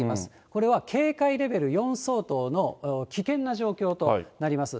これは警戒レベル４相当の危険な状況となります。